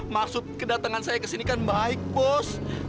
maksud kedatengan saya kesini kan baik bos